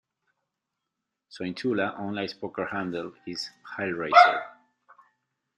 Sointula's online poker handle is 'Hellraiser'.